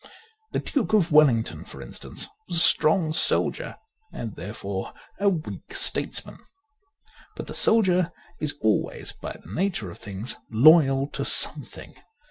The Duke of Wellington, for 145 t instance, was a strong soldier and therefore a weak statesman. But the soldier is always, by the nature of things, loyal to something.